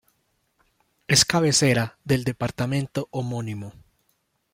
Es cabecera del departamento homónimo.